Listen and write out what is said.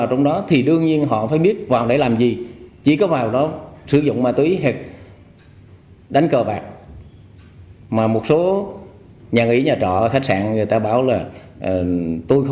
có rõ một đường dây mua bán ma túy liên tịnh